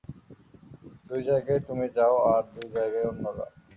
দুই জায়গায় তুমি যাও আর দুই জায়গায় অন্যরা।